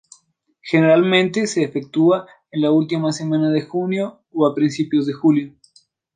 Generalmente se efectúa en la última semana de junio o a principios de julio.